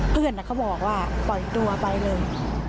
เพื่อนเขาบอกว่าปล่อยตัวไปเลย